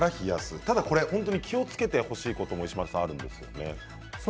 気をつけてほしいこともあるんですよね。